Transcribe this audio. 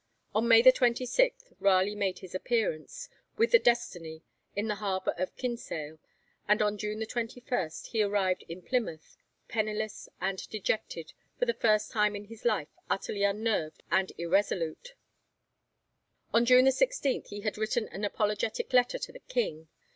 On May 26, Raleigh made his appearance, with the 'Destiny,' in the harbour of Kinsale, and on June 21 he arrived in Plymouth, penniless and dejected, for the first time in his life utterly unnerved and irresolute. On June 16 he had written an apologetic letter to the King.